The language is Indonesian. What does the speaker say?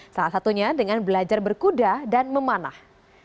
salah satunya dengan belajar berkuda dan memanah